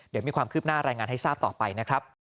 เดี๋ยวมีความคืบหน้ารายงานให้ทราบต่อไปนะครับ